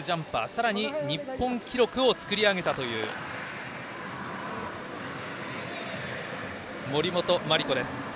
さらに、日本記録を作り上げたという森本麻里子です。